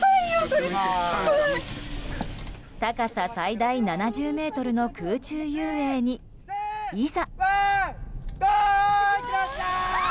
高さ最大７０ｍの空中遊泳に、いざ。